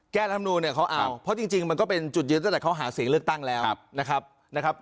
รำนูนเนี่ยเขาเอาเพราะจริงมันก็เป็นจุดยืนตั้งแต่เขาหาเสียงเลือกตั้งแล้วนะครับ